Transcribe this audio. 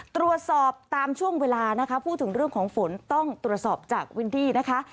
ตรวจสอบตามช่วงเวลานะคะพูดถึงเรื่องของฝนต้องตรวจสอบจากพื้นที่นะคะ